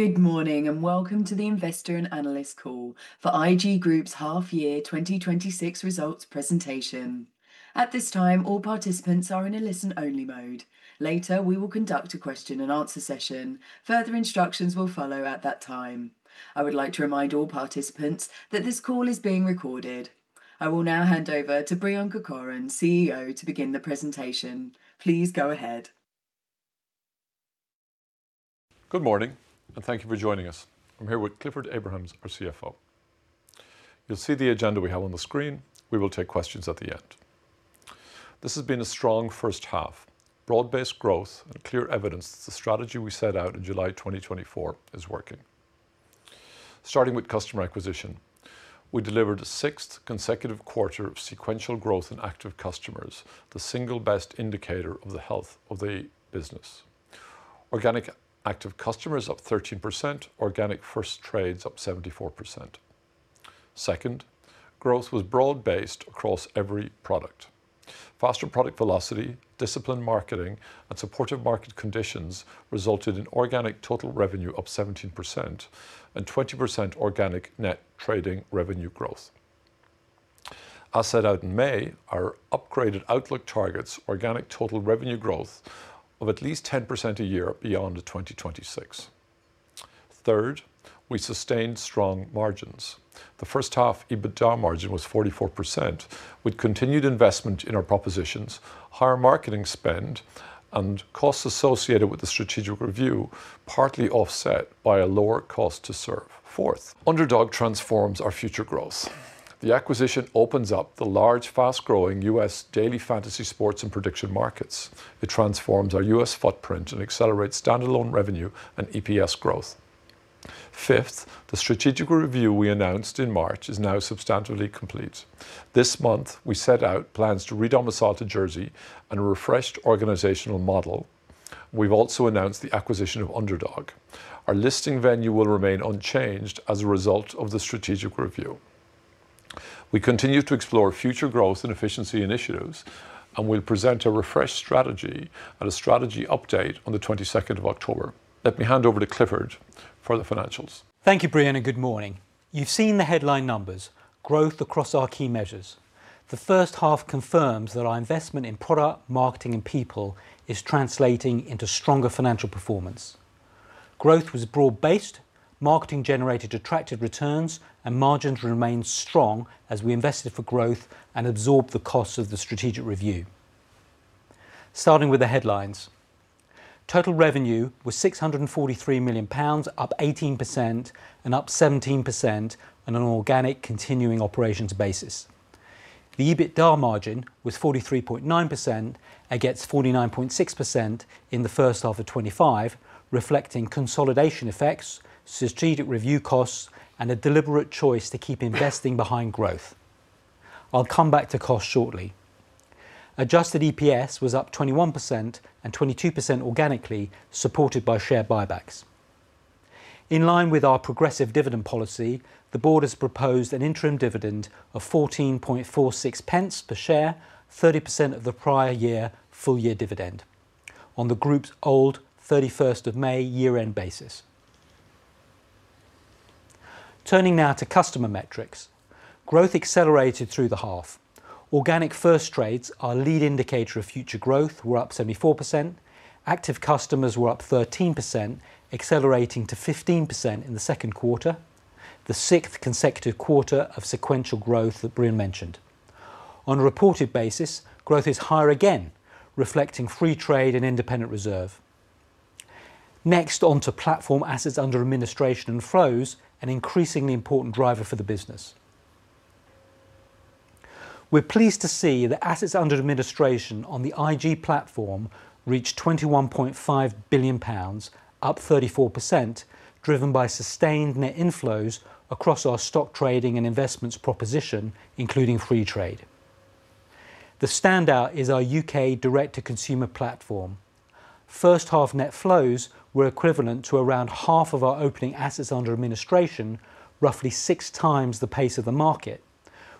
Good morning. Welcome to the investor and analyst call for IG Group's half year 2026 results presentation. At this time, all participants are in a listen-only mode. Later, we will conduct a question and answer session. Further instructions will follow at that time. I would like to remind all participants that this call is being recorded. I will now hand over to Breon Corcoran, CEO, to begin the presentation. Please go ahead. Good morning. Thank you for joining us. I'm here with Clifford Abrahams, our CFO. You'll see the agenda we have on the screen. We will take questions at the end. This has been a strong first half. Broad-based growth and clear evidence that the strategy we set out in July 2024 is working. Starting with customer acquisition, we delivered a sixth consecutive quarter of sequential growth in active customers, the single best indicator of the health of the business. Organic active customers up 13%, organic first trades up 74%. Second, growth was broad-based across every product. Faster product velocity, disciplined marketing, and supportive market conditions resulted in organic total revenue up 17% and 20% organic net trading revenue growth. As set out in May, our upgraded outlook targets organic total revenue growth of at least 10% a year beyond 2026. Third, we sustained strong margins. The first half EBITDA margin was 44%, with continued investment in our propositions, higher marketing spend and costs associated with the strategic review, partly offset by a lower cost to serve. Fourth, Underdog transforms our future growth. The acquisition opens up the large, fast-growing U.S. daily fantasy sports and prediction markets. It transforms our U.S. footprint and accelerates standalone revenue and EPS growth. Fifth, the strategic review we announced in March is now substantively complete. This month, we set out plans to re-domicile to Jersey and a refreshed organizational model. We've also announced the acquisition of Underdog. Our listing venue will remain unchanged as a result of the strategic review. We continue to explore future growth and efficiency initiatives and will present a refreshed strategy at a strategy update on the 22nd of October. Let me hand over to Clifford for the financials. Thank you, Breon. Good morning. You've seen the headline numbers, growth across our key measures. The first half confirms that our investment in product, marketing, and people is translating into stronger financial performance. Growth was broad-based, marketing generated attractive returns, and margins remained strong as we invested for growth and absorbed the costs of the strategic review. Starting with the headlines. Total revenue was 643 million pounds, up 18% and up 17% on an organic continuing operations basis. The EBITDA margin was 43.9% against 49.6% in the first half of 2025, reflecting consolidation effects, strategic review costs, and a deliberate choice to keep investing behind growth. I'll come back to cost shortly. Adjusted EPS was up 21% and 22% organically, supported by share buybacks. In line with our progressive dividend policy, the board has proposed an interim dividend of 0.1446 per share, 30% of the prior year full-year dividend on the group's old 31st of May year-end basis. Turning now to customer metrics. Growth accelerated through the half. Organic first trades, our lead indicator of future growth, were up 74%. Active customers were up 13%, accelerating to 15% in the second quarter, the sixth consecutive quarter of sequential growth that Breon mentioned. On a reported basis, growth is higher again, reflecting Freetrade and Independent Reserve. Next, onto platform assets under administration and flows, an increasingly important driver for the business. We're pleased to see that assets under administration on the IG platform reached 21.5 billion pounds, up 34%, driven by sustained net inflows across our stock trading and investments proposition, including Freetrade. The standout is our U.K. direct-to-consumer platform. First half net flows were equivalent to around half of our opening assets under administration, roughly six times the pace of the market,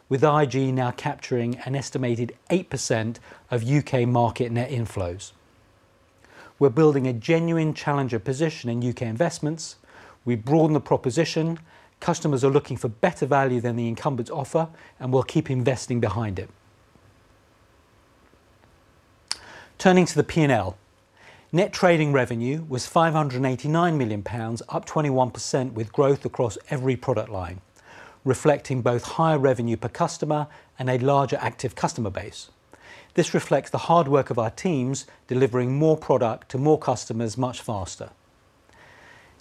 with IG now capturing an estimated 8% of U.K. market net inflows. We're building a genuine challenger position in U.K. investments. We broaden the proposition. Customers are looking for better value than the incumbents offer, and we'll keep investing behind it. Turning to the P&L. Net trading revenue was 589 million pounds, up 21%, with growth across every product line, reflecting both higher revenue per customer and a larger active customer base. This reflects the hard work of our teams delivering more product to more customers much faster.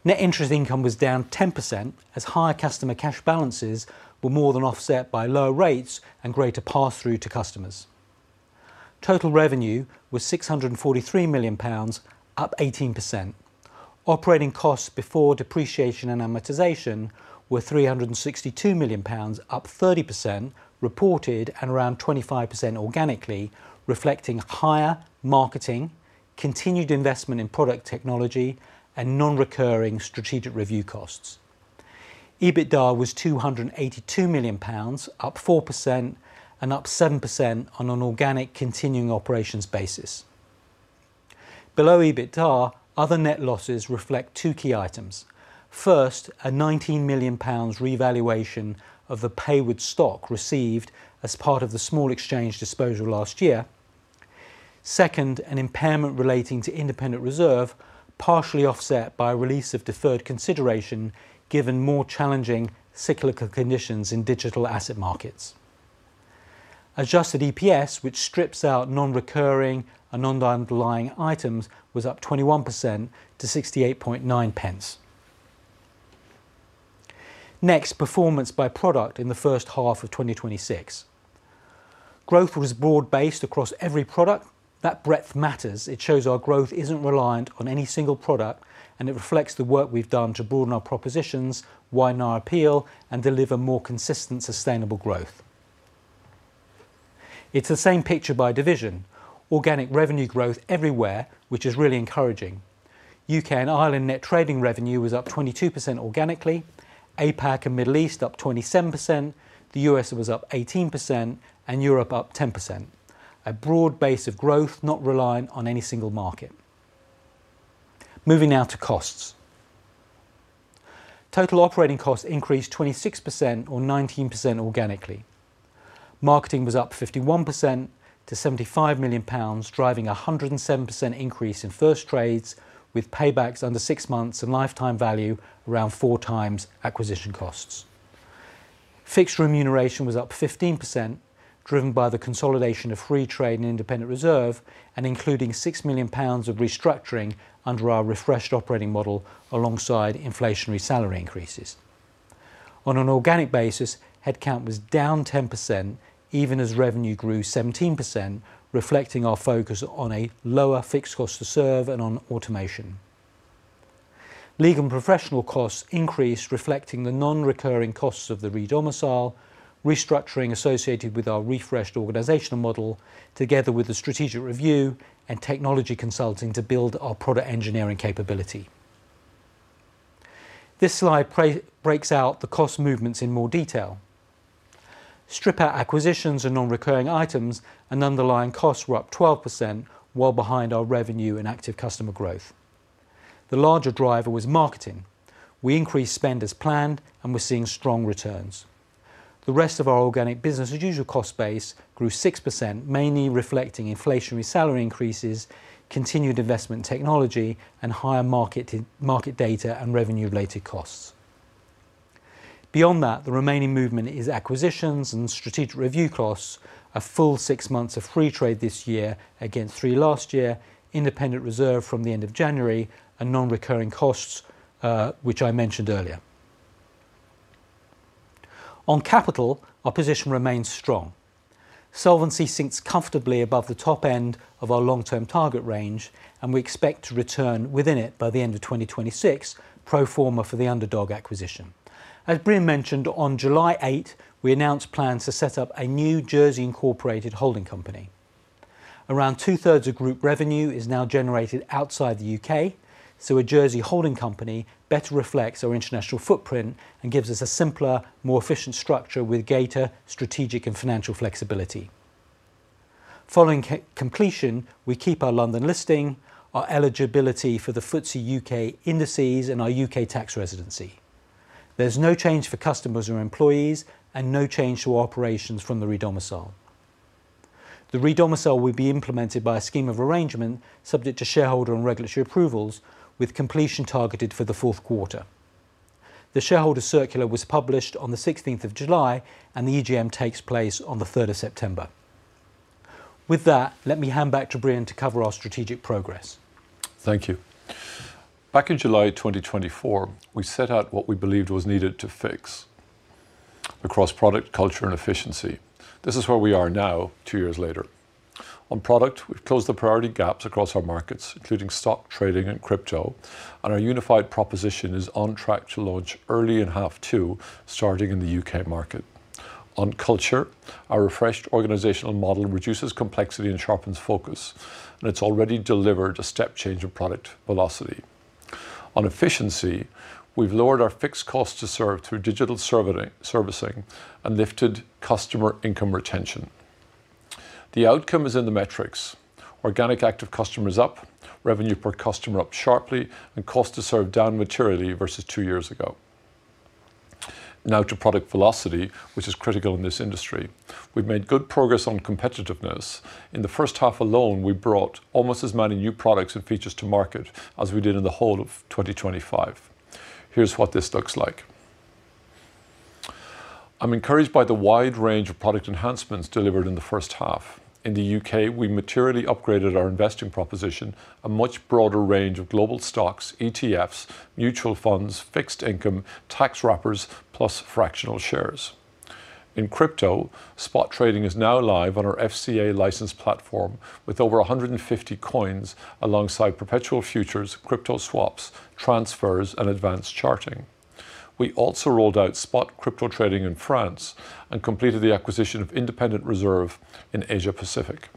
Net interest income was down 10%, as higher customer cash balances were more than offset by lower rates and greater pass-through to customers. Total revenue was 643 million pounds, up 18%. Operating costs before depreciation and amortization were 362 million pounds, up 30% reported and around 25% organically, reflecting higher marketing, continued investment in product technology, and non-recurring strategic review costs. EBITDA was 282 million pounds, up 4% and up 7% on an organic continuing operations basis. Below EBITDA, other net losses reflect two key items. First, a 19 million pounds revaluation of the Payward stock received as part of the Small Exchange disposal last year. Second, an impairment relating to Independent Reserve, partially offset by a release of deferred consideration given more challenging cyclical conditions in digital asset markets. Adjusted EPS, which strips out non-recurring and non-underlying items, was up 21% to 0.689. Next, performance by product in the first half of 2026. Growth was broad-based across every product. That breadth matters. It shows our growth isn't reliant on any single product, and it reflects the work we've done to broaden our propositions, widen our appeal, and deliver more consistent, sustainable growth. It's the same picture by division. Organic revenue growth everywhere, which is really encouraging. U.K. and Ireland net trading revenue was up 22% organically, APAC and Middle East up 27%, the U.S. was up 18%, and Europe up 10%. A broad base of growth, not reliant on any single market. Moving now to costs. Total operating costs increased 26%, or 19% organically. Marketing was up 51% to 75 million pounds, driving 107% increase in first trades, with paybacks under six months and lifetime value around four times acquisition costs. Fixed remuneration was up 15%, driven by the consolidation of Freetrade and Independent Reserve, and including 6 million pounds of restructuring under our refreshed operating model, alongside inflationary salary increases. On an organic basis, headcount was down 10%, even as revenue grew 17%, reflecting our focus on a lower fixed cost to serve and on automation. Legal and professional costs increased, reflecting the non-recurring costs of the redomicile, restructuring associated with our refreshed organizational model, together with the strategic review and technology consulting to build our product engineering capability. This slide breaks out the cost movements in more detail. Strip out acquisitions and non-recurring items, underlying costs were up 12%, well behind our revenue and active customer growth. The larger driver was marketing. We increased spend as planned, we're seeing strong returns. The rest of our organic business as usual cost base grew 6%, mainly reflecting inflationary salary increases, continued investment in technology, and higher market data and revenue-related costs. Beyond that, the remaining movement is acquisitions and strategic review costs, a full six months of Freetrade this year against three last year, Independent Reserve from the end of January, and non-recurring costs, which I mentioned earlier. On capital, our position remains strong. Solvency sits comfortably above the top end of our long-term target range, we expect to return within it by the end of 2026, pro forma for the Underdog acquisition. As Breon mentioned, on July 8, we announced plans to set up a new Jersey-incorporated holding company. Around two-thirds of group revenue is now generated outside the U.K., a Jersey holding company better reflects our international footprint and gives us a simpler, more efficient structure with greater strategic and financial flexibility. Following completion, we keep our London listing, our eligibility for the FTSE UK indices, and our U.K. tax residency. There's no change for customers or employees, no change to our operations from the redomicile. The redomicile will be implemented by a scheme of arrangement subject to shareholder and regulatory approvals, with completion targeted for the fourth quarter. The shareholder circular was published on the 16th of July, the EGM takes place on the 3rd of September. With that, let me hand back to Breon to cover our strategic progress. Thank you. Back in July 2024, we set out what we believed was needed to fix across product, culture, and efficiency. This is where we are now, two years later. On product, we've closed the priority gaps across our markets, including stock trading and crypto, our unified proposition is on track to launch early in half two, starting in the U.K. market. On culture, our refreshed organizational model reduces complexity and sharpens focus, it's already delivered a step change of product velocity. On efficiency, we've lowered our fixed cost to serve through digital servicing and lifted customer income retention. The outcome is in the metrics. Organic active customers up, revenue per customer up sharply, cost to serve down materially versus two years ago. Now to product velocity, which is critical in this industry. We've made good progress on competitiveness. In the first half alone, we brought almost as many new products and features to market as we did in the whole of 2025. Here's what this looks like. I'm encouraged by the wide range of product enhancements delivered in the first half. In the U.K., we materially upgraded our investing proposition, a much broader range of global stocks, ETFs, mutual funds, fixed income, tax wrappers, plus fractional shares. In crypto, spot trading is now live on our FCA-licensed platform with over 150 coins alongside perpetual futures, crypto swaps, transfers, and advanced charting. We also rolled out spot crypto trading in France and completed the acquisition of Independent Reserve in Asia Pacific.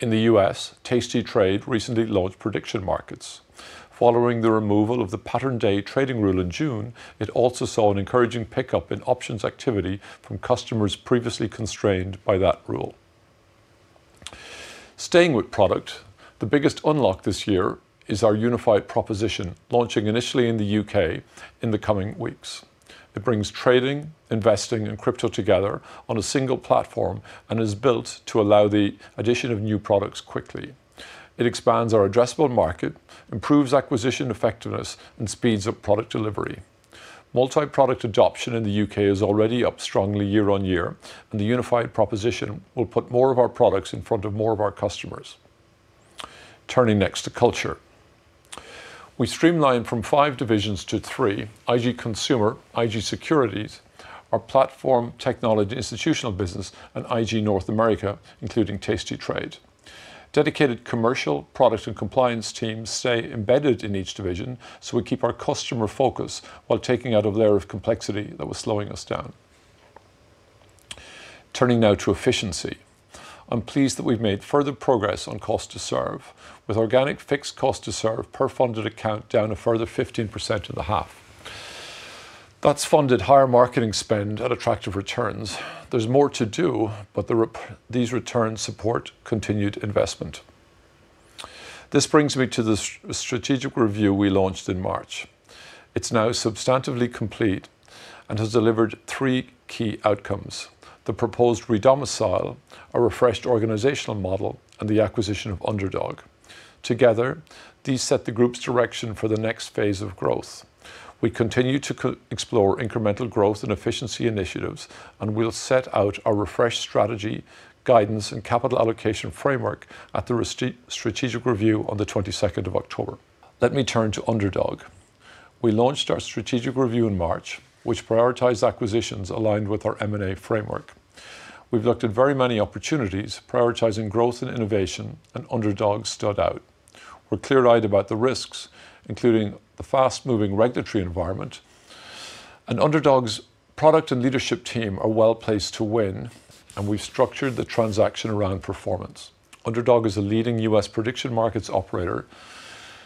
In the U.S., tastytrade recently launched prediction markets. Following the removal of the pattern day trading rule in June, it also saw an encouraging pickup in options activity from customers previously constrained by that rule. Staying with product, the biggest unlock this year is our unified proposition, launching initially in the U.K. in the coming weeks. It brings trading, investing, and crypto together on a single platform and is built to allow the addition of new products quickly. It expands our addressable market, improves acquisition effectiveness, and speeds up product delivery. Multi-product adoption in the U.K. is already up strongly year-over-year, and the unified proposition will put more of our products in front of more of our customers. Turning next to culture. We streamlined from five divisions to three, IG Consumer, IG Securities, our platform technology institutional business, and IG North America, including tastytrade. Dedicated commercial, product, and compliance teams stay embedded in each division, so we keep our customer focus while taking out a layer of complexity that was slowing us down. Turning now to efficiency. I'm pleased that we've made further progress on cost to serve with organic fixed cost to serve per funded account down a further 15% in the half. That's funded higher marketing spend at attractive returns. There's more to do, but these returns support continued investment. This brings me to the strategic review we launched in March. It's now substantively complete and has delivered three key outcomes. The proposed redomicile, a refreshed organizational model, and the acquisition of Underdog. Together, these set the group's direction for the next phase of growth. We continue to explore incremental growth and efficiency initiatives, and we'll set out our refreshed strategy, guidance, and capital allocation framework at the strategic review on the 22nd of October. Let me turn to Underdog. We launched our strategic review in March, which prioritized acquisitions aligned with our M&A framework. We've looked at very many opportunities, prioritizing growth and innovation, and Underdog stood out. We're clear-eyed about the risks, including the fast-moving regulatory environment, and Underdog's product and leadership team are well-placed to win, and we've structured the transaction around performance. Underdog is a leading U.S. prediction markets operator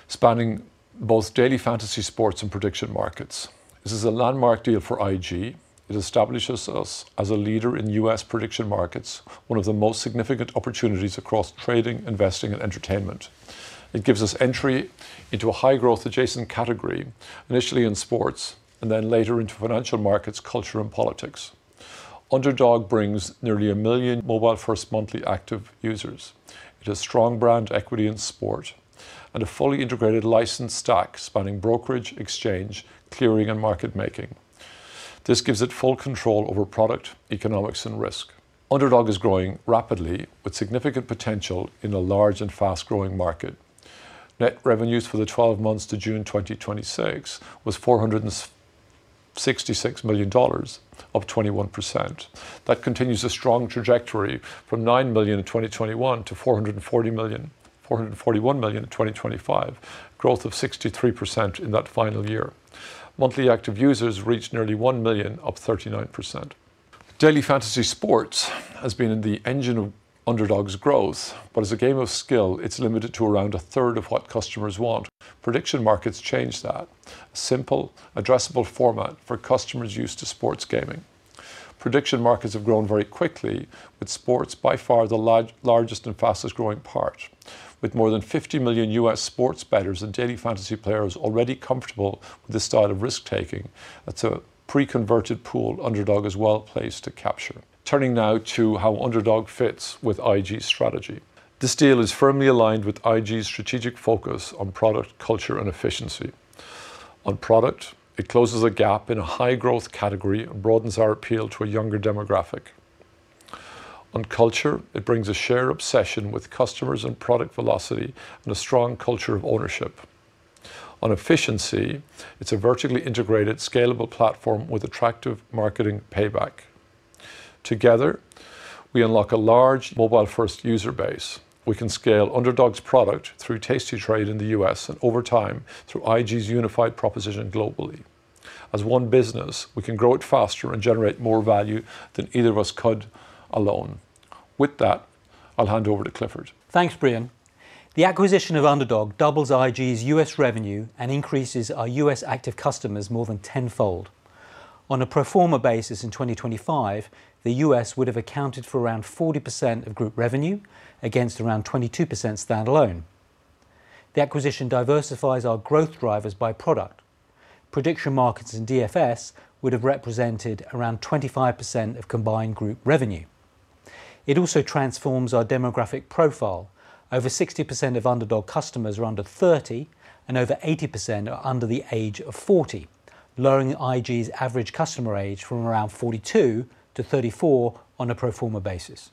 spanning both daily fantasy sports and prediction markets. This is a landmark deal for IG. It establishes us as a leader in U.S. prediction markets, one of the most significant opportunities across trading, investing, and entertainment. It gives us entry into a high-growth adjacent category, initially in sports, and then later into financial markets, culture, and politics. Underdog brings nearly a million mobile-first monthly active users. It has strong brand equity in sport and a fully integrated license stack spanning brokerage, exchange, clearing, and market making. This gives it full control over product, economics, and risk. Underdog is growing rapidly with significant potential in a large and fast-growing market. Net revenues for the 12 months to June 2026 was $466 million, up 21%. That continues a strong trajectory from $9 million in 2021 to $441 million in 2025, growth of 63% in that final year. Monthly active users reached nearly 1 million, up 39%. Daily fantasy sports has been the engine of Underdog's growth, but as a game of skill, it's limited to around a third of what customers want. Prediction markets change that. Simple, addressable format for customers used to sports gaming. Prediction markets have grown very quickly, with sports by far the largest and fastest-growing part. With more than 50 million U.S. sports bettors and daily fantasy players already comfortable with this style of risk-taking, that's a pre-converted pool Underdog is well-placed to capture. Turning now to how Underdog fits with IG's strategy. This deal is firmly aligned with IG's strategic focus on product, culture, and efficiency. On product, it closes a gap in a high-growth category and broadens our appeal to a younger demographic. On culture, it brings a shared obsession with customers and product velocity and a strong culture of ownership. On efficiency, it's a vertically integrated, scalable platform with attractive marketing payback. Together, we unlock a large mobile-first user base. We can scale Underdog's product through tastytrade in the U.S. and over time through IG's unified proposition globally. As one business, we can grow it faster and generate more value than either of us could alone. With that, I'll hand over to Clifford. Thanks, Breon. The acquisition of Underdog doubles IG's U.S. revenue and increases our U.S. active customers more than tenfold. On a pro forma basis in 2025, the U.S. would have accounted for around 40% of group revenue against around 22% standalone. The acquisition diversifies our growth drivers by product. Prediction markets and DFS would have represented around 25% of combined group revenue. It also transforms our demographic profile. Over 60% of Underdog customers are under 30, and over 80% are under the age of 40, lowering IG's average customer age from around 42 to 34 on a pro forma basis.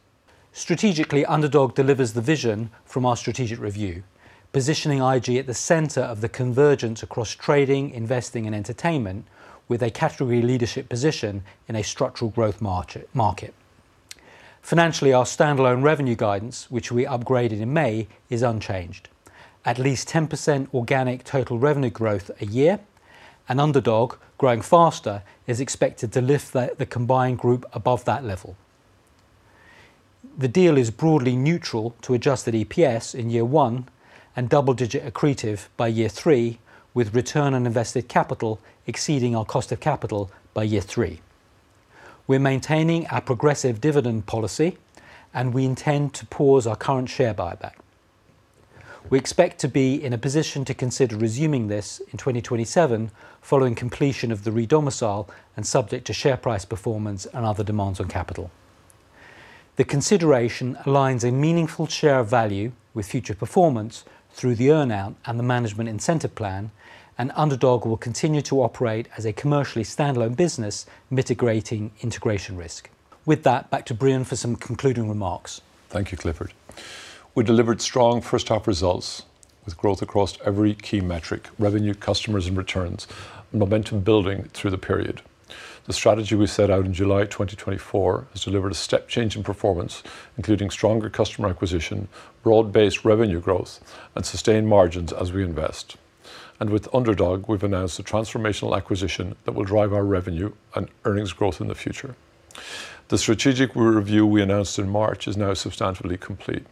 Strategically, Underdog delivers the vision from our strategic review, positioning IG at the center of the convergence across trading, investing, and entertainment with a category leadership position in a structural growth market. Financially, our standalone revenue guidance, which we upgraded in May, is unchanged. At least 10% organic total revenue growth a year. Underdog growing faster is expected to lift the combined group above that level. The deal is broadly neutral to adjusted EPS in year one and double-digit accretive by year three, with return on invested capital exceeding our cost of capital by year three. We're maintaining our progressive dividend policy, and we intend to pause our current share buyback. We expect to be in a position to consider resuming this in 2027 following completion of the redomicile and subject to share price performance and other demands on capital. The consideration aligns a meaningful share of value with future performance through the earn-out and the management incentive plan, and Underdog will continue to operate as a commercially standalone business, mitigating integration risk. With that, back to Breon for some concluding remarks. Thank you, Clifford. We delivered strong first half results with growth across every key metric, revenue, customers, and returns, momentum building through the period. The strategy we set out in July 2024 has delivered a step change in performance, including stronger customer acquisition, broad-based revenue growth, and sustained margins as we invest. With Underdog, we've announced a transformational acquisition that will drive our revenue and earnings growth in the future. The strategic review we announced in March is now substantially complete.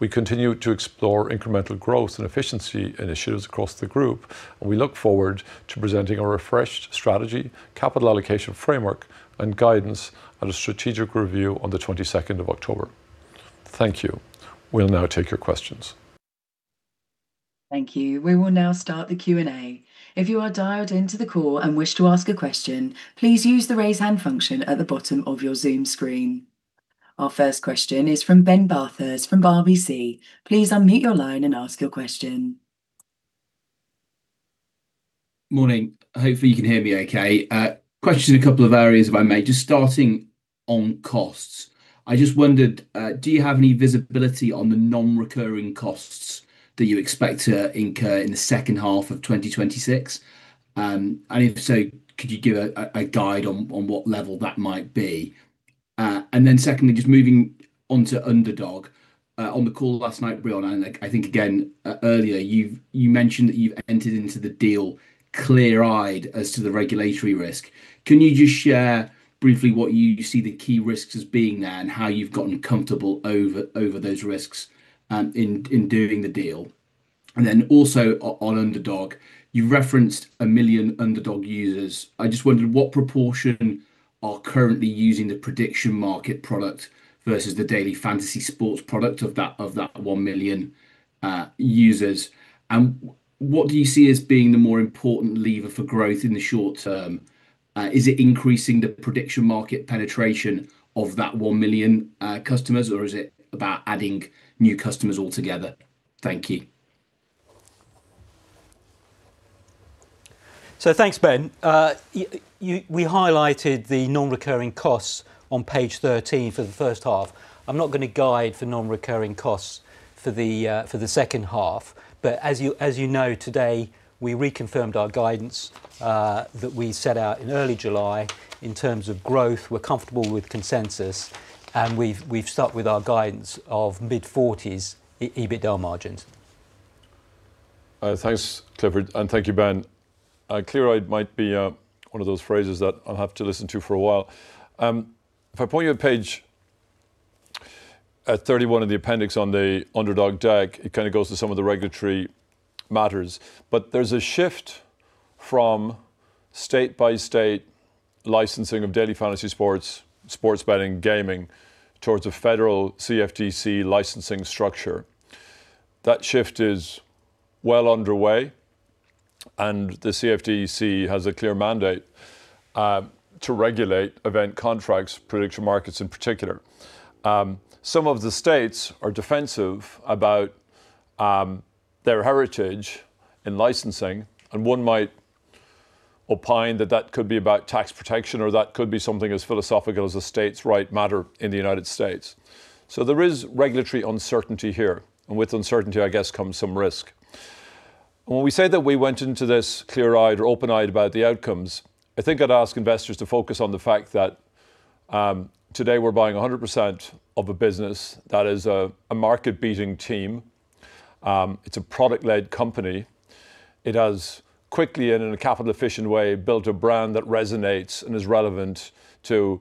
We continue to explore incremental growth and efficiency initiatives across the group, and we look forward to presenting a refreshed strategy, capital allocation framework, and guidance at a strategic review on the 22nd of October. Thank you. We'll now take your questions. Thank you. We will now start the Q&A. If you are dialed into the call and wish to ask a question, please use the raise hand function at the bottom of your Zoom screen. Our first question is from Ben Bathurst from RBC. Please unmute your line and ask your question. Morning. Hopefully, you can hear me okay. Questions in a couple of areas, if I may, just starting on costs. I just wondered, do you have any visibility on the non-recurring costs that you expect to incur in the second half of 2026? If so, could you give a guide on what level that might be? Secondly, just moving onto Underdog. On the call last night, Breon, and I think again, earlier, you mentioned that you've entered into the deal clear-eyed as to the regulatory risk. Can you just share briefly what you see the key risks as being there and how you've gotten comfortable over those risks in doing the deal? Also on Underdog, you referenced one million Underdog users. I just wondered what proportion are currently using the prediction market product versus the daily fantasy sports product of that one million users, and what do you see as being the more important lever for growth in the short-term? Is it increasing the prediction market penetration of that one million customers, or is it about adding new customers altogether? Thank you. Thanks, Ben. We highlighted the non-recurring costs on page 13 for the first half. I'm not going to guide for non-recurring costs for the second half. As you know, today, we reconfirmed our guidance that we set out in early July in terms of growth. We're comfortable with consensus, and we've stuck with our guidance of mid-40s EBITDA margins. Thanks, Clifford, and thank you, Ben. Clear-eyed might be one of those phrases that I'll have to listen to for a while. If I point you at page 31 of the appendix on the Underdog deck, it kind of goes to some of the regulatory matters. There's a shift from state-by-state licensing of daily fantasy sports betting, gaming towards a federal CFTC licensing structure. That shift is well underway, and the CFTC has a clear mandate to regulate event contracts, prediction markets in particular. Some of the states are defensive about their heritage in licensing, and one might opine that that could be about tax protection, or that could be something as philosophical as a states right matter in the U.S. There is regulatory uncertainty here. With uncertainty, I guess, comes some risk. When we say that we went into this clear-eyed or open-eyed about the outcomes, I think I'd ask investors to focus on the fact that today we're buying 100% of a business that is a market-beating team. It's a product-led company. It has quickly, and in a capital efficient way, built a brand that resonates and is relevant to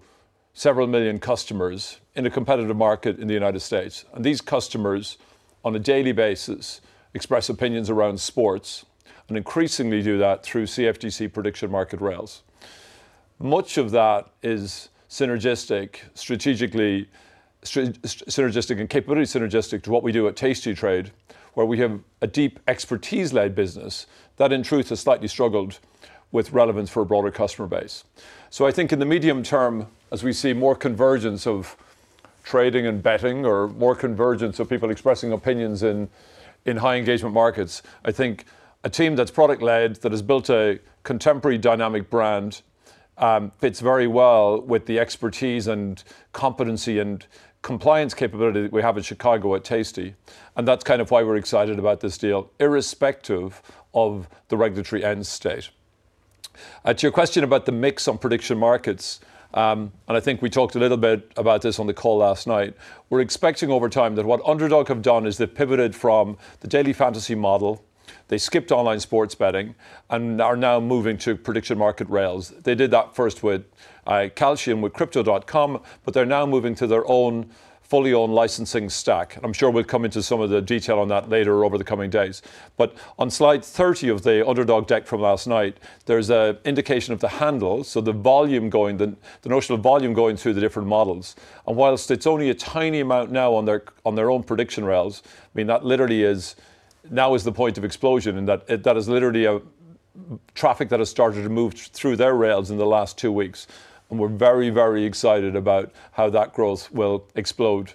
several million customers in a competitive market in the U.S. These customers, on a daily basis, express opinions around sports and increasingly do that through CFTC prediction market rails. Much of that is synergistic, strategically synergistic, and capability synergistic to what we do at tastytrade, where we have a deep expertise-led business that, in truth, has slightly struggled with relevance for a broader customer base. I think in the medium term, as we see more convergence of trading and betting or more convergence of people expressing opinions in high engagement markets, I think a team that's product-led, that has built a contemporary dynamic brand, fits very well with the expertise and competency and compliance capability that we have in Chicago at tastytrade. That's kind of why we're excited about this deal, irrespective of the regulatory end state. To your question about the mix on prediction markets, and I think we talked a little bit about this on the call last night. We're expecting over time that what Underdog have done is they've pivoted from the daily fantasy model. They skipped online sports betting and are now moving to prediction market rails. They did that first with Kalshi, with crypto.com. They're now moving to their own fully owned licensing stack. I'm sure we'll come into some of the detail on that later over the coming days. On slide 30 of the Underdog deck from last night, there's an indication of the handle, so the notion of volume going through the different models. Whilst it's only a tiny amount now on their own prediction rails, that literally now is the point of explosion and that is literally traffic that has started to move through their rails in the last two weeks, and we're very excited about how that growth will explode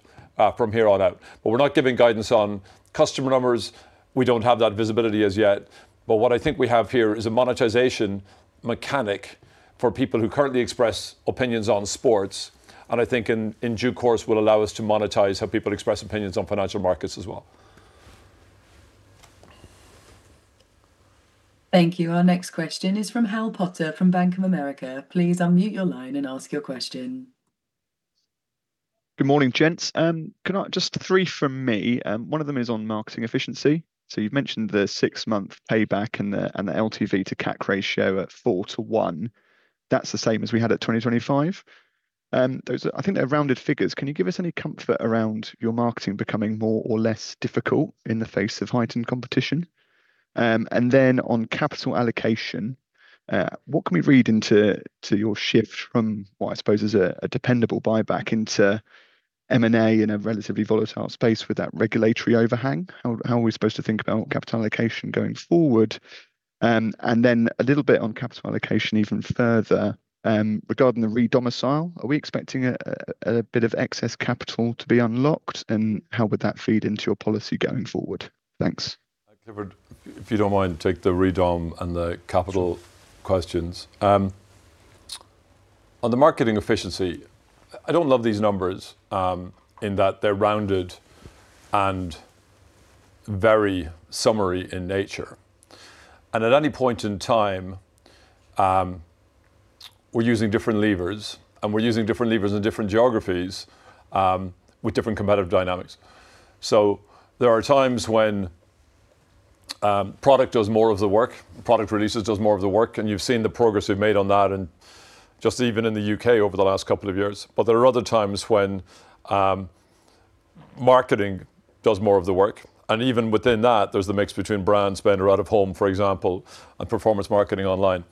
from here on out. We're not giving guidance on customer numbers. We don't have that visibility as yet. What I think we have here is a monetization mechanic for people who currently express opinions on sports, and I think in due course will allow us to monetize how people express opinions on financial markets as well. Thank you. Our next question is from Hal Potter from Bank of America. Please unmute your line and ask your question. Good morning, gents. Just three from me. One of them is on marketing efficiency. You've mentioned the six-month payback and the LTV to CAC ratio at four to one. That's the same as we had at 2025. I think they're rounded figures. Can you give us any comfort around your marketing becoming more or less difficult in the face of heightened competition? On capital allocation, what can we read into your shift from what I suppose is a dependable buyback into M&A in a relatively volatile space with that regulatory overhang? How are we supposed to think about capital allocation going forward? A little bit on capital allocation even further, regarding the redomicile, are we expecting a bit of excess capital to be unlocked? How would that feed into your policy going forward? Thanks. Clifford, if you don't mind, take the redom and the capital questions. On the marketing efficiency, I don't love these numbers, in that they're rounded and very summary in nature. At any point in time, we're using different levers, we're using different levers in different geographies with different competitive dynamics. There are times when product does more of the work, product releases does more of the work, you've seen the progress we've made on that, just even in the U.K. over the last couple of years. There are other times when marketing does more of the work, and even within that, there's the mix between brand spend or out of home, for example, and performance marketing online.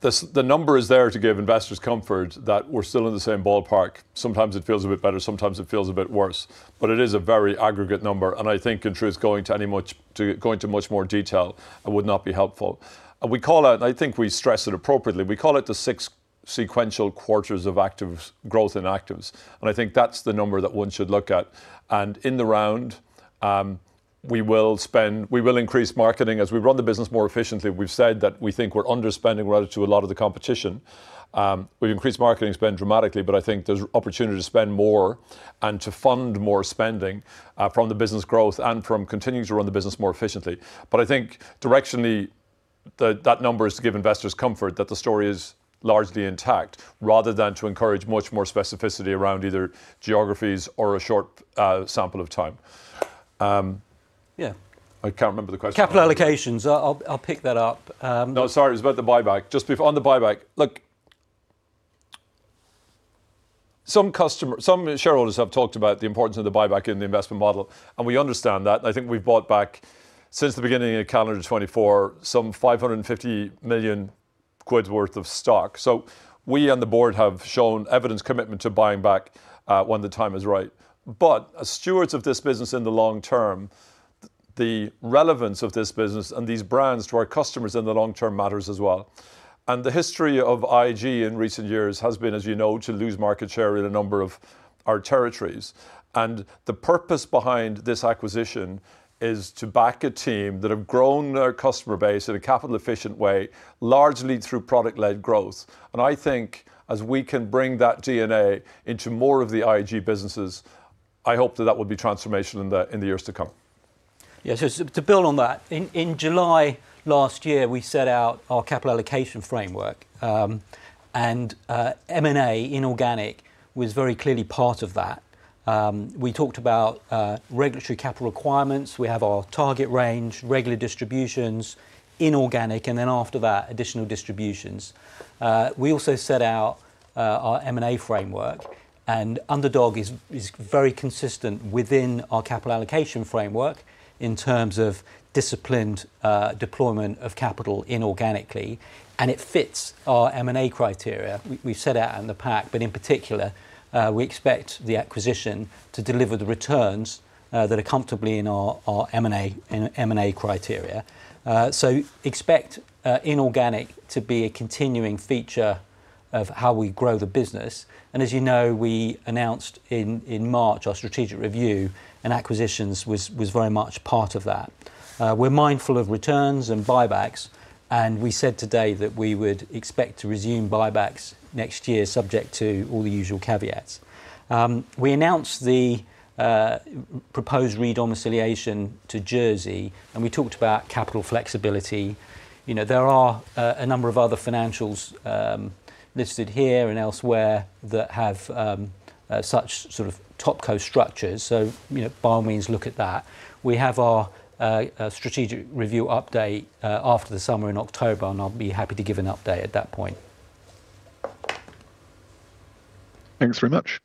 The number is there to give investors comfort that we're still in the same ballpark. Sometimes it feels a bit better, sometimes it feels a bit worse. It is a very aggregate number, and I think, in truth, going to much more detail would not be helpful. I think we stress it appropriately. We call it the six sequential quarters of growth in actives, and I think that's the number that one should look at. In the round, we will increase marketing as we run the business more efficiently. We've said that we think we're underspending relative to a lot of the competition. We've increased marketing spend dramatically, but I think there's opportunity to spend more and to fund more spending from the business growth and from continuing to run the business more efficiently. I think directionally, that number is to give investors comfort that the story is largely intact, rather than to encourage much more specificity around either geographies or a short sample of time. Yeah. I can't remember the question. Capital allocations. I'll pick that up. No, sorry. It was about the buyback. Just before on the buyback. Look, some shareholders have talked about the importance of the buyback in the investment model. We understand that. I think we've bought back, since the beginning of calendar 2024, some 550 million quid worth of stock. We on the board have shown evidence commitment to buying back when the time is right. As stewards of this business in the long term, the relevance of this business and these brands to our customers in the long term matters as well. The history of IG in recent years has been, as you know, to lose market share in a number of our territories, and the purpose behind this acquisition is to back a team that have grown their customer base in a capital efficient way, largely through product-led growth. I think as we can bring that DNA into more of the IG businesses, I hope that will be transformational in the years to come. Yeah. To build on that, in July last year, we set out our capital allocation framework. M&A inorganic was very clearly part of that. We talked about regulatory capital requirements. We have our target range, regular distributions, inorganic, and then after that, additional distributions. We also set out our M&A framework. Underdog is very consistent within our capital allocation framework in terms of disciplined deployment of capital inorganically, and it fits our M&A criteria. We've set out in the pack. In particular, we expect the acquisition to deliver the returns that are comfortably in our M&A criteria. Expect inorganic to be a continuing feature of how we grow the business. As you know, we announced in March our strategic review, and acquisitions was very much part of that. We're mindful of returns and buybacks, and we said today that we would expect to resume buybacks next year, subject to all the usual caveats. We announced the proposed re-domiciliation to Jersey, and we talked about capital flexibility. There are a number of other financials listed here and elsewhere that have such sort of topco structures. By all means, look at that. We have our strategic review update after the summer in October, and I'll be happy to give an update at that point. Thanks very much.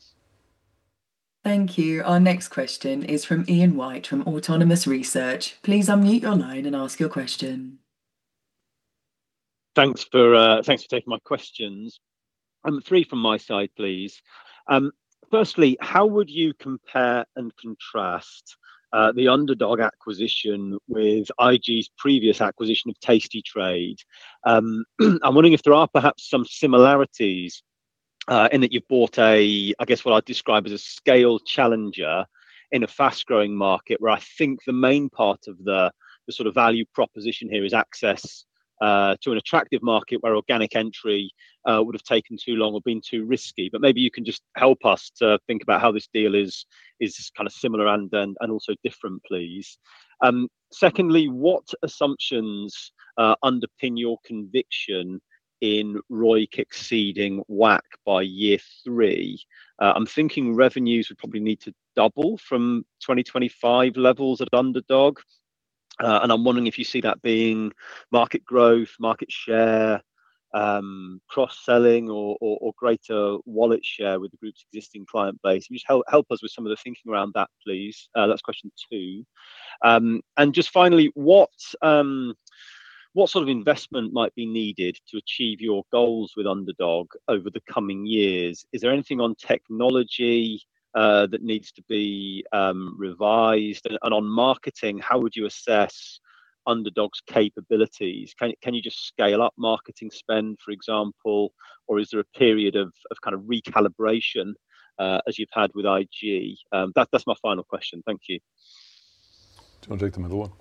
Thank you. Our next question is from Ian White from Autonomous Research. Please unmute your line and ask your question. Thanks for taking my questions. Three from my side, please. Firstly, how would you compare and contrast the Underdog acquisition with IG's previous acquisition of tastytrade? I'm wondering if there are perhaps some similarities in that you've bought a, I guess, what I'd describe as a scale challenger in a fast-growing market where I think the main part of the sort of value proposition here is access to an attractive market where organic entry would've taken too long or been too risky. Maybe you can just help us to think about how this deal is kind of similar and then also different, please. Secondly, what assumptions underpin your conviction in ROIC exceeding WACC by year three? I'm thinking revenues would probably need to double from 2025 levels at Underdog, and I'm wondering if you see that being market growth, market share, cross-selling or greater wallet share with the group's existing client base. Can you just help us with some of the thinking around that, please? That's question two. Just finally, what sort of investment might be needed to achieve your goals with Underdog over the coming years? Is there anything on technology that needs to be revised? On marketing, how would you assess Underdog's capabilities? Can you just scale up marketing spend, for example, or is there a period of kind of recalibration as you've had with IG? That's my final question. Thank you. Do you want to take the middle one?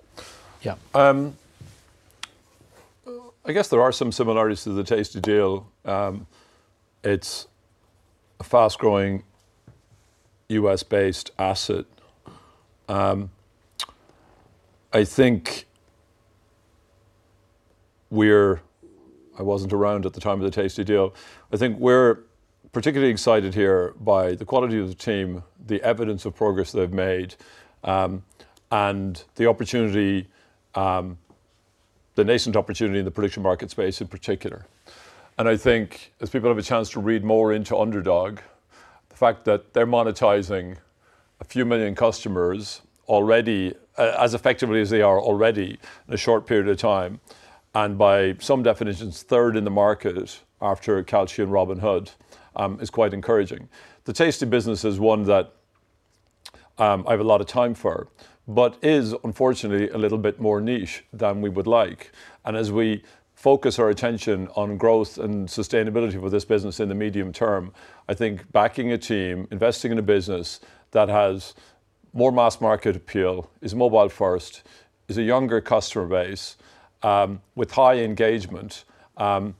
Yeah. I guess there are some similarities to the tastytrade deal. It's a fast-growing U.S.-based asset. I wasn't around at the time of the tastytrade deal. I think we're particularly excited here by the quality of the team, the evidence of progress they've made, and the nascent opportunity in the prediction market space in particular. I think as people have a chance to read more into Underdog, the fact that they're monetizing a few million customers already, as effectively as they are already in a short period of time, and by some definitions, third in the market after Kalshi and Robinhood, is quite encouraging. The tastytrade business is one that I have a lot of time for, but is unfortunately a little bit more niche than we would like. As we focus our attention on growth and sustainability with this business in the medium term, I think backing a team, investing in a business that has more mass market appeal, is mobile first, is a younger customer base, with high engagement, that's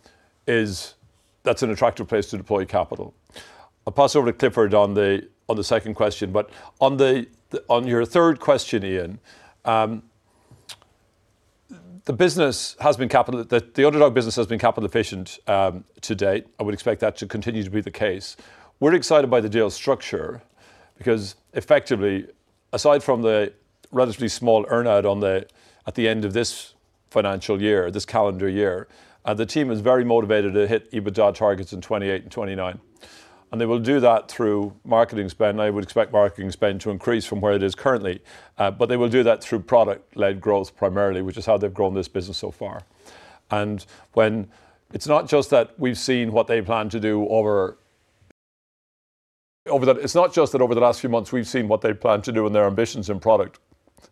an attractive place to deploy capital. I'll pass over to Clifford on the second question, but on your third question, Ian, the Underdog business has been capital efficient to date. I would expect that to continue to be the case. We're excited by the deal's structure because effectively, aside from the relatively small earn-out at the end of this financial year, this calendar year, the team is very motivated to hit EBITDA targets in 2028 and 2029. They will do that through marketing spend. I would expect marketing spend to increase from where it is currently. They will do that through product-led growth primarily, which is how they've grown this business so far. It's not just that over the last few months we've seen what they plan to do and their ambitions in product.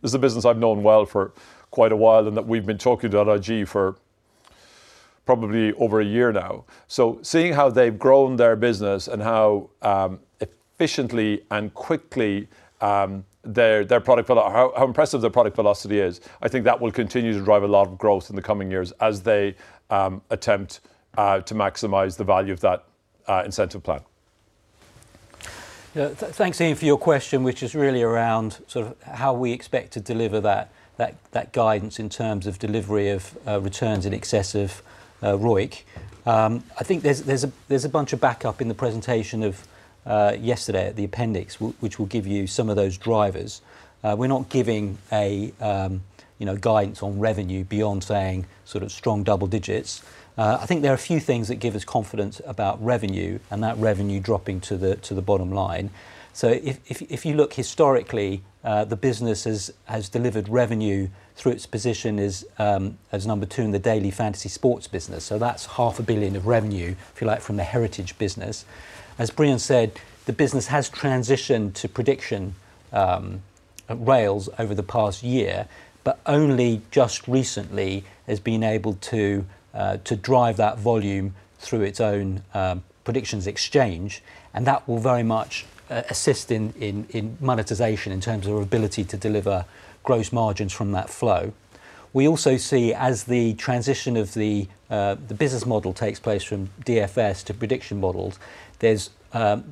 This is a business I've known well for quite a while and that we've been talking to at IG for probably over a year now. Seeing how they've grown their business and how efficiently and quickly how impressive their product velocity is, I think that will continue to drive a lot of growth in the coming years as they attempt to maximize the value of that incentive plan. Thanks, Ian, for your question, which is really around how we expect to deliver that guidance in terms of delivery of returns in excess of ROIC. There's a bunch of backup in the presentation of yesterday at the appendix which will give you some of those drivers. We're not giving a guidance on revenue beyond saying strong double digits. There are a few things that give us confidence about revenue and that revenue dropping to the bottom line. If you look historically, the business has delivered revenue through its position as number 2 in the daily fantasy sports business. That's half a billion of revenue, if you like, from the heritage business. As Breon said, the business has transitioned to prediction rails over the past year, but only just recently has been able to drive that volume through its own predictions exchange, and that will very much assist in monetization in terms of our ability to deliver gross margins from that flow. We also see as the transition of the business model takes place from DFS to prediction models, there's a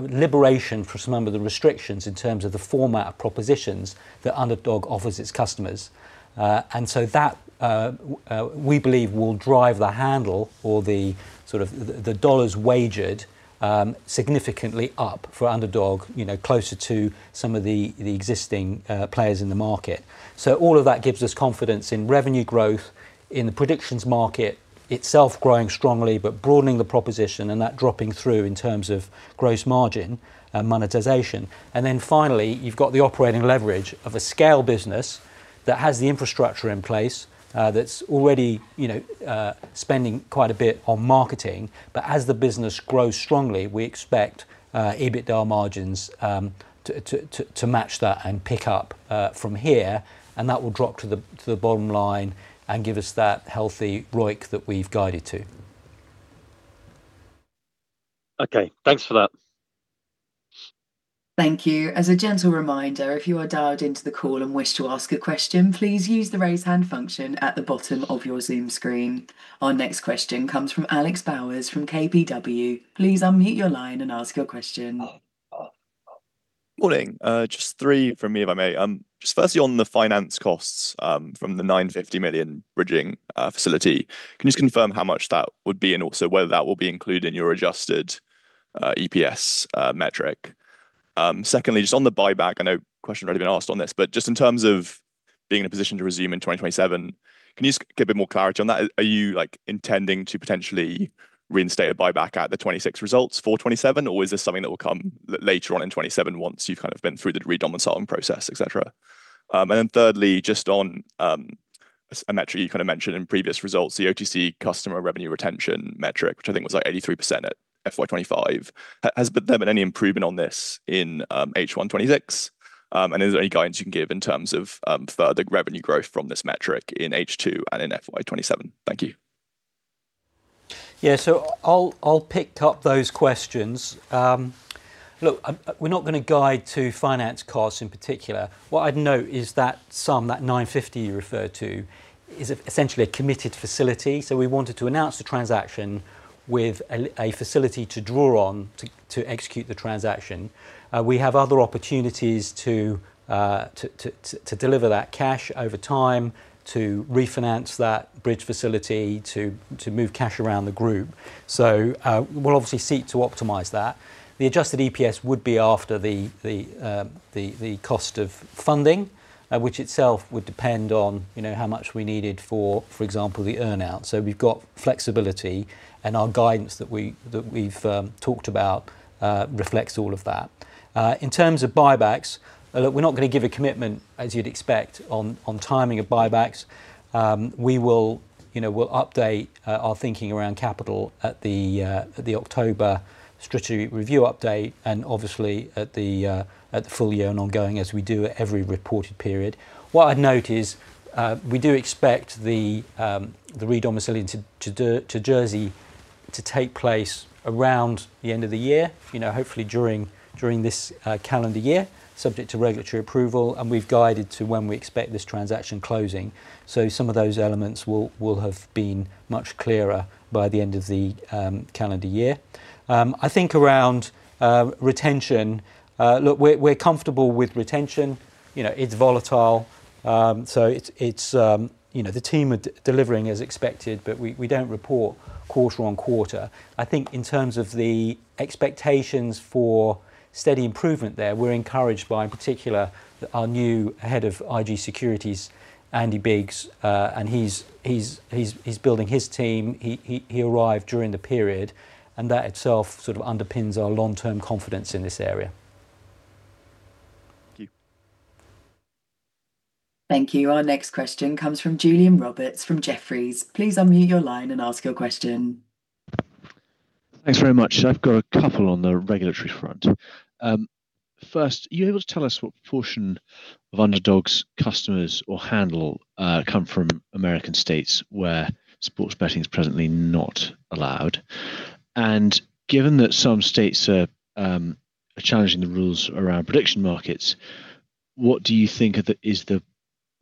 liberation from some of the restrictions in terms of the format of propositions that Underdog offers its customers. That, we believe, will drive the handle or the dollars wagered significantly up for Underdog, closer to some of the existing players in the market. All of that gives us confidence in revenue growth, in the predictions market itself growing strongly, but broadening the proposition and that dropping through in terms of gross margin and monetization. Finally, you've got the operating leverage of a scale business that has the infrastructure in place, that's already spending quite a bit on marketing. As the business grows strongly, we expect EBITDA margins to match that and pick up from here, and that will drop to the bottom line and give us that healthy ROIC that we've guided to. Thanks for that. Thank you. As a gentle reminder, if you are dialed into the call and wish to ask a question, please use the raise hand function at the bottom of your Zoom screen. Our next question comes from Alex Bowers from KBW. Please unmute your line and ask your question. Morning. Just three from me, if I may. Firstly on the finance costs from the 950 million bridging facility. Can you just confirm how much that would be, and also whether that will be included in your adjusted EPS metric? Secondly, just on the buyback, I know a question's already been asked on this, but just in terms of being in a position to resume in 2027, can you just give a bit more clarity on that? Are you intendi ng to potentially reinstate a buyback at the 2026 results for 2027? Or is this something that will come later on in 2027 once you've kind of been through the redomiciling process, et cetera? Thirdly, just on a metric you kind of mentioned in previous results, the OTC customer revenue retention metric, which I think was like 83% at FY 2025. Has there been any improvement on this in H1 2026? Is there any guidance you can give in terms of further revenue growth from this metric in H2 and in FY 2027? Thank you. Yeah. I'll pick up those questions. Look, we're not going to guide to finance costs in particular. What I'd note is that sum, that 950 you referred to, is essentially a committed facility, we wanted to announce the transaction with a facility to draw on to execute the transaction. We have other opportunities to deliver that cash over time, to refinance that bridge facility, to move cash around the group. We'll obviously seek to optimize that. The adjusted EPS would be after the cost of funding, which itself would depend on how much we needed, for example, the earn-out. We've got flexibility, and our guidance that we've talked about reflects all of that. In terms of buybacks, look, we're not going to give a commitment, as you'd expect, on timing of buybacks. We'll update our thinking around capital at the October strategy review update, obviously at the full year and ongoing as we do at every reported period. What I'd note is, we do expect the redomiciling to Jersey to take place around the end of the year, hopefully during this calendar year, subject to regulatory approval, we've guided to when we expect this transaction closing. Some of those elements will have been much clearer by the end of the calendar year. I think around retention, look, we're comfortable with retention. It's volatile. The team are delivering as expected, but we don't report quarter-on-quarter. I think in terms of the expectations for steady improvement there, we're encouraged by, in particular, our new head of IG Securities, Andy Biggs. He's building his team. He arrived during the period, that itself sort of underpins our long-term confidence in this area. Thank you. Thank you. Our next question comes from Julian Roberts from Jefferies. Please unmute your line and ask your question. Thanks very much. I've got a couple on the regulatory front. First, are you able to tell us what proportion of Underdog's customers or handle come from American states where sports betting's presently not allowed? Given that some states are challenging the rules around prediction markets, what do you think is the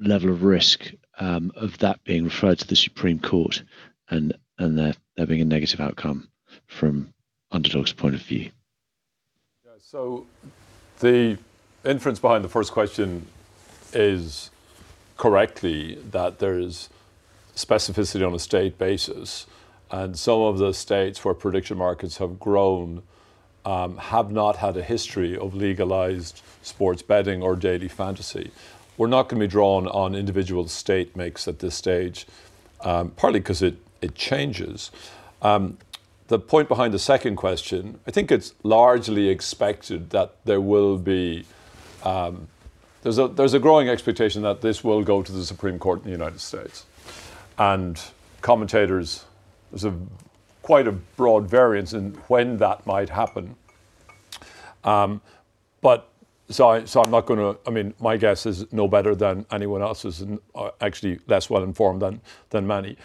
level of risk of that being referred to the Supreme Court, and there being a negative outcome from Underdog's point of view? Yeah. The inference behind the first question is correctly that there's specificity on a state basis. Some of the states where prediction markets have grown have not had a history of legalized sports betting or daily fantasy. We're not going to be drawn on individual state makes at this stage, partly because it changes. The point behind the second question, I think it's largely expected that there's a growing expectation that this will go to the Supreme Court in the U.S. Commentators, there's a quite a broad variance in when that might happen. My guess is no better than anyone else's, and actually less well-informed than many.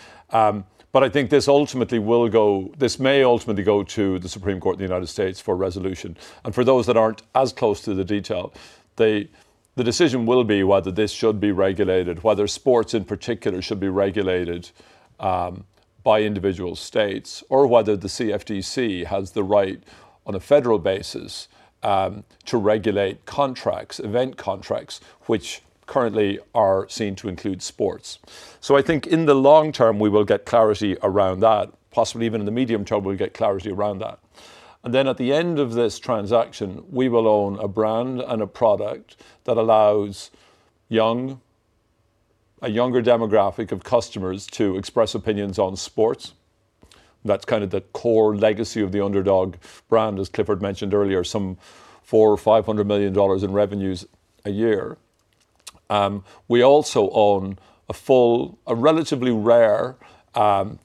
I think this may ultimately go to the Supreme Court of the U.S. for resolution. For those that aren't as close to the detail, the decision will be whether this should be regulated, whether sports in particular should be regulated by individual states, or whether the CFTC has the right on a federal basis to regulate event contracts, which currently are seen to include sports. I think in the long term, we will get clarity around that. Possibly even in the medium term, we'll get clarity around that. At the end of this transaction, we will own a brand and a product that allows a younger demographic of customers to express opinions on sports. That's kind of the core legacy of the Underdog brand, as Clifford mentioned earlier, some $400 or $500 million in revenues a year. We also own a relatively rare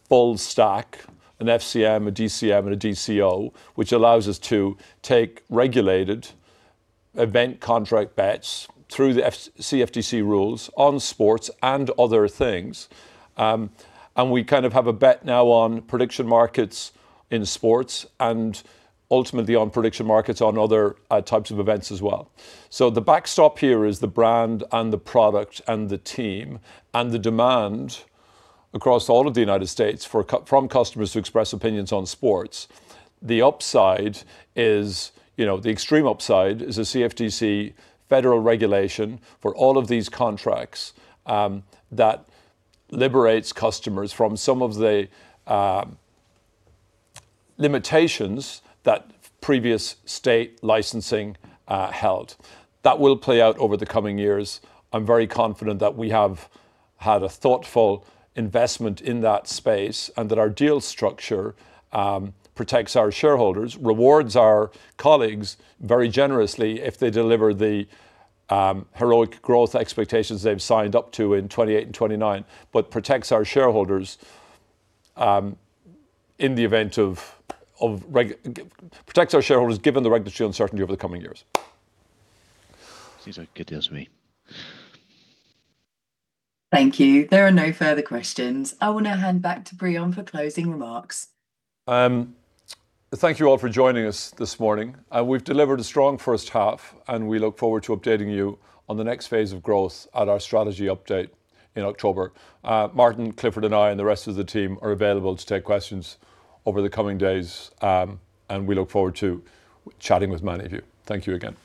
full stack, an FCM, a DCM, and a DCO, which allows us to take regulated event contract bets through the CFTC rules on sports and other things. We kind of have a bet now on prediction markets in sports and ultimately on prediction markets on other types of events as well. The backstop here is the brand and the product and the team, and the demand across all of the U.S. from customers who express opinions on sports. The extreme upside is a CFTC federal regulation for all of these contracts that liberates customers from some of the limitations that previous state licensing held. That will play out over the coming years. I'm very confident that we have had a thoughtful investment in that space, and that our deal structure protects our shareholders, rewards our colleagues very generously if they deliver the heroic growth expectations they've signed up to in 2028 and 2029, but protects our shareholders given the regulatory uncertainty over the coming years. Seems like good news to me. Thank you. There are no further questions. I will now hand back to Breon for closing remarks. Thank you all for joining us this morning. We've delivered a strong first half, and we look forward to updating you on the next phase of growth at our strategy update in October. Martin, Clifford, and I, and the rest of the team are available to take questions over the coming days, and we look forward to chatting with many of you. Thank you again.